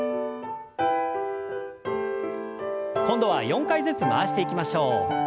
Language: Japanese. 今度は４回ずつ回していきましょう。